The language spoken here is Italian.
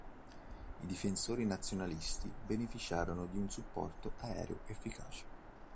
I difensori nazionalisti beneficiarono di un supporto aereo efficace.